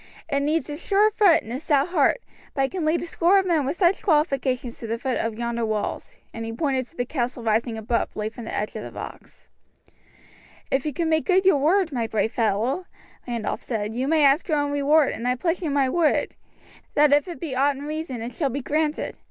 "It needs a sure foot and a stout heart, but I can lead a score of men with such qualifications to the foot of yonder walls;" and he pointed to the castle rising abruptly from the edge of the rocks. "If you can make good your word, my brave fellow," Randolph said, "you may ask your own reward, and I pledge you my word, that if it be aught in reason it shall be granted.